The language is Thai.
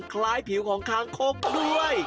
คล้ายผิวของคางคกด้วย